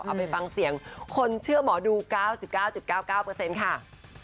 เอาไปฟังเสียงคนเชื่อหมอดู๙๙๙๙เปอร์เซ็นต์ค่ะ